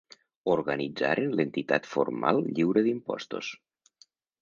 Organitzaren l'entitat formal lliure d'impostos.